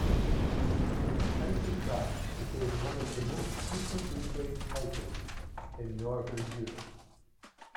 Its title track became one of the most frequently played titles in Northern Europe.